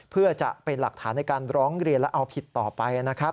เพื่อจะเป็นหลักฐานในการร้องเรียนและเอาผิดต่อไปนะครับ